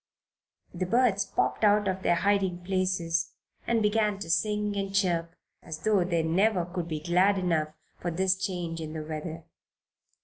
The birds popped out of their hiding places and began to sing and chirp as though they never could be glad enough for this change in the weather.